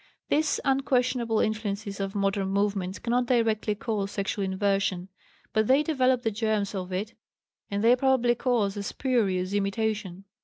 These unquestionable influences of modern movements cannot directly cause sexual inversion, but they develop the germs of it, and they probably cause a spurious imitation.